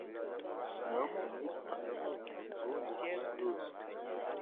Nyuma yo kuva muri Tanzania ahunze corona virus